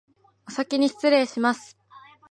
おさきにしつれいします